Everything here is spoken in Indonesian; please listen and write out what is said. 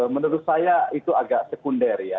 menurut saya itu agak sekunder ya